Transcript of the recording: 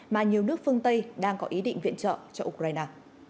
mà nhiều nước phương tây đang có ý định viện trợ cho ukraine